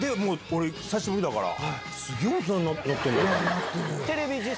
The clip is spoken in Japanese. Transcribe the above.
俺久しぶりだから。